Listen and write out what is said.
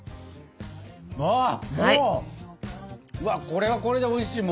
これはこれでおいしい！